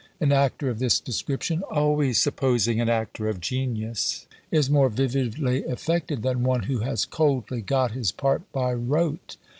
An actor of this description, always supposing an actor of genius, is more vividly affected than one who has coldly got his part by rote."